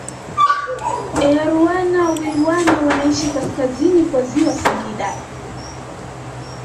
Airwana Wilwana wanaishi kaskazini kwa ziwa Singida